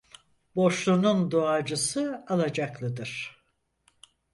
Borçlunun duacısı alacaklıdır.